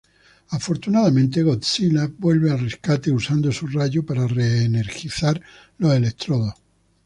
Afortunadamente, Godzilla vuelve al rescate, usando su rayo para re-energizar los electrodos.